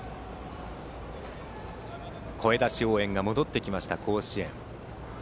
声出し応援が戻ってきました、甲子園。